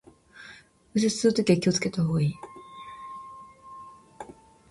右折するときは気を付けた方がいい